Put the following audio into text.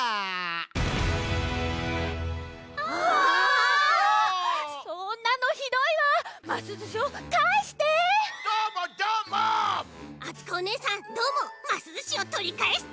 あつこおねえさんどーもますずしをとりかえすち！